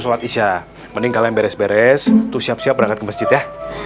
sholat isya mending kalian beres beres untuk siap siap berangkat ke masjid ya